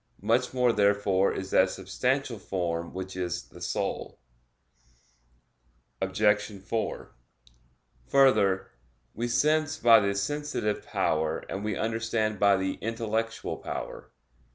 Much more therefore is that substantial form which is the soul. Obj. 4: Further, we sense by the sensitive power and we understand by the intellectual power.